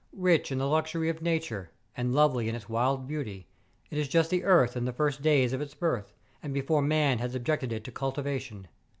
Eich in the luxury of nature, and lovely in its wild beauty, it is just the earth in the first days of its birth, and before man had subjected it to cultivation.